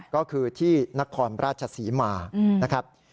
ก็คือที่นครราชศรีมานะครับ